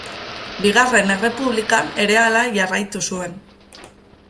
Bigarren Errepublikan ere hala jarraitu zuen.